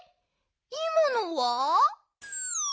いまのは？